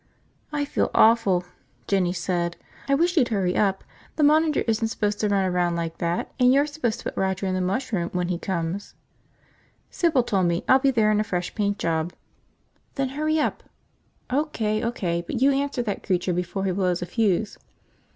"I feel awful," Jinny said. "I wish you'd hurry up and get some clothes on. The monitor isn't supposed to run around like that. And you're supposed to put Roger in the mush room when he comes." "Sybil told me. I'll be there in a fresh paint job." "Then hurry up!" "O.K., O.K. But you answer that creature before he blows a fuse."